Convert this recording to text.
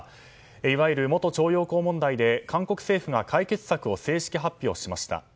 いわゆる元徴用工問題で韓国政府が解決策を正式発表しました。